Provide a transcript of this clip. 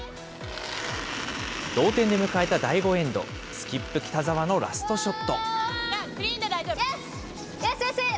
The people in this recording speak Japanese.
同点で迎えた第５エンド、スキップ、北澤のラストショット。